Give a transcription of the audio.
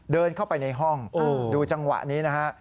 เดินเข้าไปในห้องดูจังหวะนี้นะฮะ